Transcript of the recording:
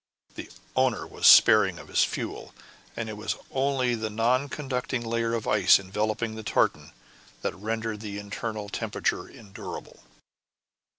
The owner was sparing of his fuel, and it was only the non conducting layer of ice enveloping the tartan that rendered the internal temperature endurable.